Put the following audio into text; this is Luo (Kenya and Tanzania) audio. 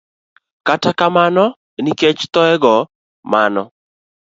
Kata kamano, nikech thoye go, mano